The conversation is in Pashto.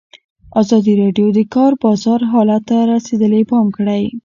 ازادي راډیو د د کار بازار حالت ته رسېدلي پام کړی.